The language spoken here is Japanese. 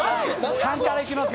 ３からいきますよ。